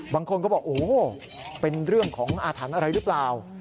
บางคนก็บอกโอ้โหเป็นเรื่องของอาถรรพ์อะไรหรือเปล่า